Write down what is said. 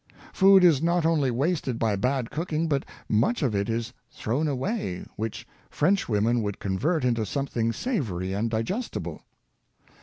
Food is not only wasted by bad cooking, but much of it is thrown away which Frenchwomen would convert into something savo ry and digestible.